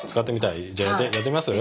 じゃあやってみます？